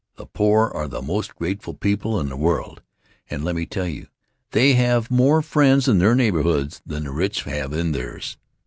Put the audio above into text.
The poor are the most grateful people in the world, and, let me tell you, they have more friends in their neighborhoods than the rich have in theirs.